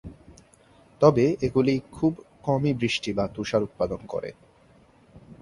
তবে এগুলি খুব কমই বৃষ্টি বা তুষার উৎপাদন করে।